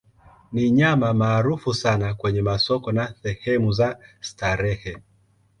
Ni nyama maarufu sana kwenye masoko na sehemu za starehe.